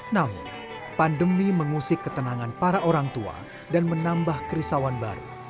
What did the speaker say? namun pandemi mengusik ketenangan para orang tua dan menambah kerisauan baru